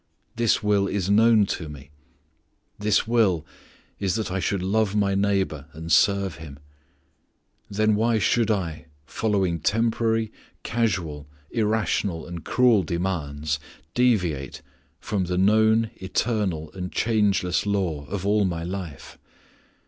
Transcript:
This will is known to me. This will is that I should love my neighbor and serve him. Then why should I, following temporary, casual, irrational, and cruel demands, deviate from the known eternal and changeless law of all my life?